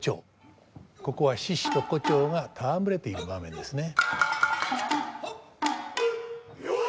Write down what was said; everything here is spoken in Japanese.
ここは獅子と胡蝶が戯れている場面ですね。